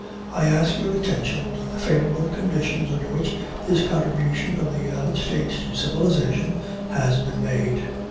I ask your attention to the favorable conditions under which this contribution of the United States to civilization has been made.